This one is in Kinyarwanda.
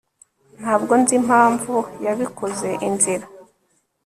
ntabwo nzi impamvu yabikoze. (inzira